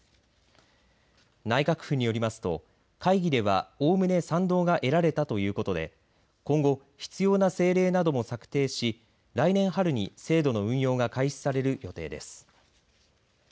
内閣府によりますと会議ではおおむね賛同が得られたということで今後、必要な政令なども策定し来年春に制度の運用が開始される予定です。